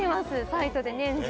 サイトで年中。